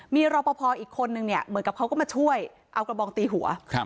มีรอปภอีกคนนึงเนี่ยเหมือนกับเขาก็มาช่วยเอากระบองตีหัว